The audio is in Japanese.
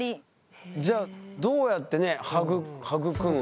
じゃあどうやってね育む。